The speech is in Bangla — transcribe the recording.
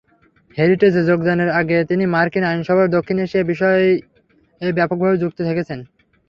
হেরিটেজে যোগদানের আগে তিনি মার্কিন আইনসভায় দক্ষিণ এশিয়া বিষয়ে ব্যাপকভাবে যুক্ত থেকেছেন।